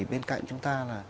bên cạnh chúng ta